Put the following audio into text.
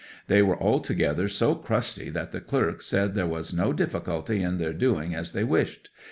They were altogether so crusty that the clerk said there was no difficulty in their doing as they wished.